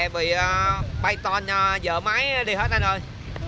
bây giờ bị bay tôn dở máy đi hết anh ơi